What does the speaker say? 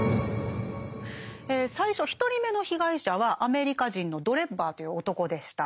最初１人目の被害者はアメリカ人のドレッバーという男でした。